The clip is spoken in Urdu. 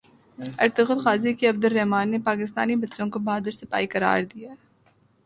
ارطغرل غازی کے عبدالرحمن نے پاکستانی بچوں کو بہادر سپاہی قرار دے دیا